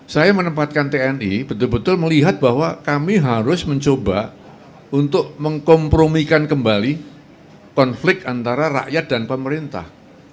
saya menempatkan tni betul betul melihat bahwa kami harus mencoba untuk mengkompromikan kembali konflik antara rakyat dan pemerintah